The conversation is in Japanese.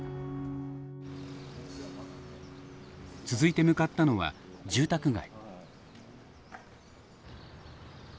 続いて向かったのは住宅街。